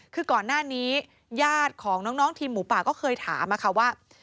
คือก่อนหน้านี้ญาติของน้องทีมหมูป่าก็เคยถามว่า